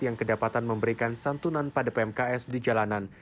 yang kedapatan memberikan santunan pada pmks di jalanan